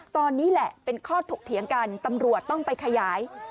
ตอนนี้แหละเป็นข้อถกเถียงกันตำรวจต้องไปขยาย